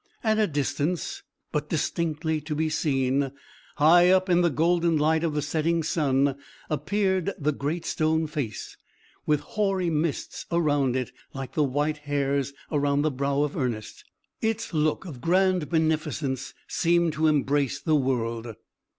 At a distance, but distinctly to be seen, high up in the golden light of the setting sun, appeared the Great Stone Face, with hoary mists around it, like the white hairs around the brow of Ernest. Its look of grand beneficence seemed to embrace the world.